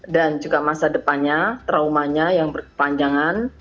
dan juga masa depannya traumanya yang berkepanjangan